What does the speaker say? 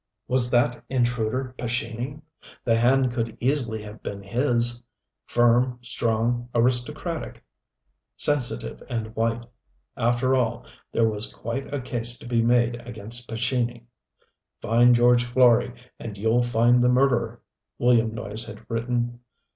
Was that intruder Pescini? The hand could easily have been his firm, strong, aristocratic, sensitive and white. After all, there was quite a case to be made against Pescini. "Find George Florey and you'll find the murderer," William Noyes had written.